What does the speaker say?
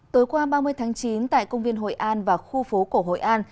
tối qua ba mươi tháng chín tại công viên hội an và khu phố cổ hội an